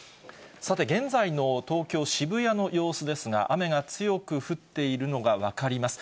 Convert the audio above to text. さて、現在の東京・渋谷の様子ですが、雨が強く降っているのが分かります。